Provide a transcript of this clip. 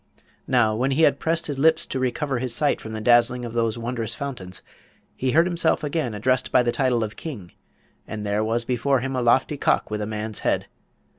Now, when he had pressed his lips to recover his sight from the dazzling of those wondrous fountains, he heard himself again addressed by the title of King, and there was before him a lofty cock with a man's head.